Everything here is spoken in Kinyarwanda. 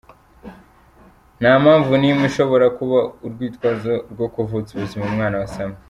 "Nta mpamvu n’imwe ishobora kuba urwitwazo rwo kuvutsa ubuzima umwana wasamwe.